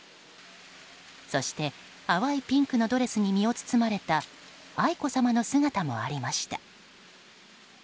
そして、淡いピンクのドレスに身を包まれた愛子さまの姿もありました。